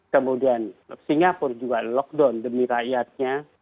kemudian singapura juga lockdown demi rakyatnya